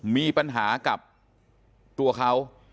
มีปัญหากับตัวเขา